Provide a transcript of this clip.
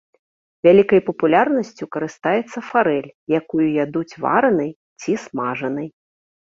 Вялікай папулярнасцю карыстаецца фарэль, якую ядуць варанай ці смажанай.